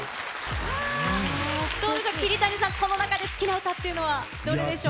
どうでしょう、桐谷さん、この中で好きな歌っていうのは、どれでしょう？